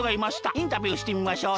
インタビューしてみましょう。